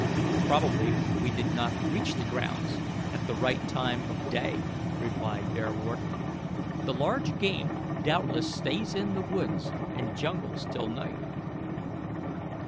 "Probably we did not reach the grounds at the right time of day," replied Bearwarden. "The large game doubtless stays in the woods and jungles till night."